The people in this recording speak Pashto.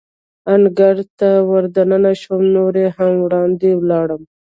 انګړ ته ور دننه شوم، نور هم وړاندې ولاړم.